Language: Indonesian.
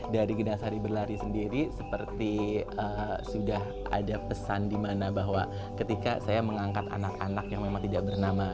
dari genasari berlari sendiri seperti sudah ada pesan di mana bahwa ketika saya mengangkat anak anak yang memang tidak bernama